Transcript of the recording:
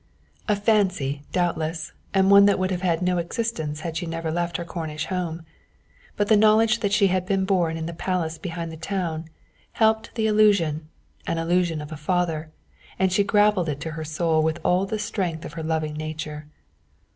A fancy, doubtless, and one that would have had no existence had she never left her Cornish home. But the knowledge that she had been born in the palace behind the town, helped the illusion, an illusion of a father, and she grappled it to her soul with all the strength of her loving nature.